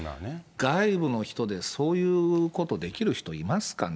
外部の人でそういうことできる人いますかね。